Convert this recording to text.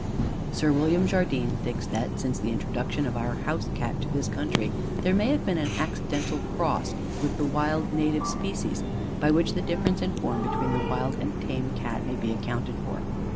Sir William Jardine thinks that, since the introduction of our house Cat to this country, there may have been an accidental cross with the wild native species, by which the difference in form between the wild and tame Cat may be accounted for.